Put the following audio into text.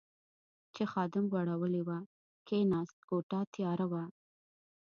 چې خادم غوړولې وه، کېناست، کوټه تیاره وه.